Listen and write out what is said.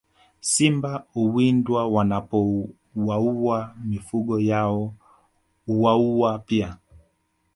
Simba huwindwa wanapowaua mifugo yao hwauwa pia